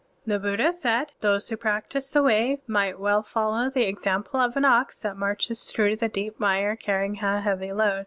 (41) The Buddha said: "Those who practise the Way might well follow the example of an ox that marches through the deep mire carrying a heavy load.